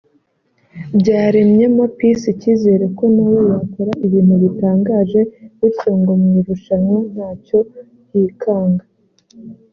byaremyemo Peace icyizere ko na we yakora ibintu bitangaje bityo ngo mu irushanwa ntacyo yikanga